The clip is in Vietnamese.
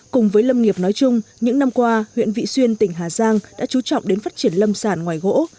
cùng với lâm nghiệp nói chung những năm qua huyện vị xuyên tỉnh hà giang đã chú trọng đến phát triển lâm sản ngoài gỗ